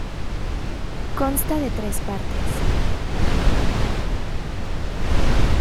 Consta de tres partes.